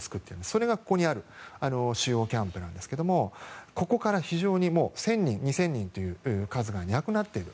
それが主要キャンプなんですけどもここから１０００人２０００人という数がいなくなっている。